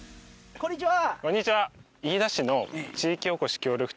こんにちは。